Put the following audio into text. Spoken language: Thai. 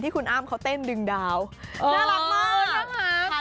ที่คุณอ้ามเขาเต้นดึงดาวน่ารักมาก